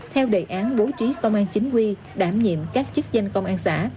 theo đề án bố trí công an chính quy đảm nhiệm các chức danh công an xã